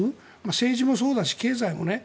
政治もそうだし経済もね。